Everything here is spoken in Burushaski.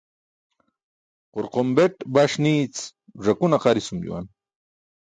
Qorqombeṭ baṣ niic ẓakun aqarisum juwan.